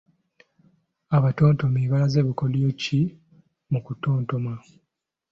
Abatontomi balaze bukodyo ki mu kutontoma?